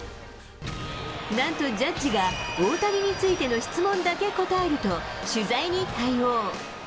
なんとジャッジが、大谷についての質問だけに答えると取材に対応。